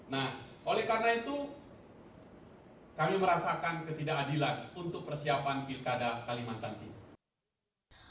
nah oleh karena itu kami merasakan ketidakadilan untuk persiapan pilkada kalimantan timur